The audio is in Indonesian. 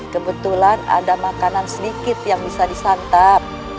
kebetulan ada makanan sedikit yang bisa disantap